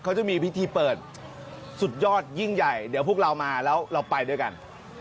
เขาจะมีพิธีเปิดสุดยอดยิ่งใหญ่เดี๋ยวพวกเรามาแล้วเราไปด้วยกัน